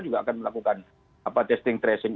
juga akan melakukan testing tracing